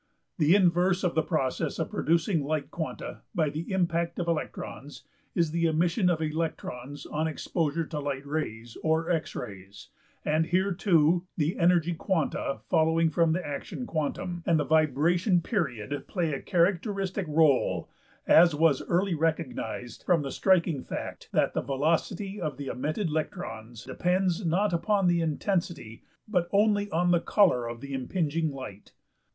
The inverse of the process of producing light quanta by the impact of electrons is the emission of electrons on exposure to light rays, or X rays, and here, too, the energy quanta following from the action quantum and the vibration period play a characteristic r\^{o}le, as was early recognized from the striking fact that the velocity of the emitted electrons depends not upon the intensity(31) but only on the colour of the impinging light(32).